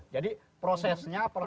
jadi prosesnya pertama